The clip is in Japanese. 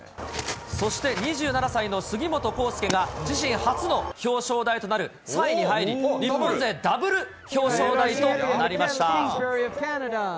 そして２７歳の杉本幸祐が、自身初の表彰台となる３位に入り、日本勢ダブル表彰台となりました。